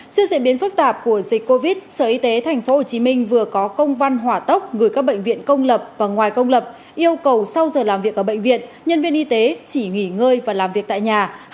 trước diễn biến phức tạp của dịch covid sở y tế tp hcm vừa có công văn hỏa tốc gửi các bệnh viện công lập và ngoài công lập yêu cầu sau giờ làm việc ở bệnh viện nhân viên y tế chỉ nghỉ ngơi và làm việc tại nhà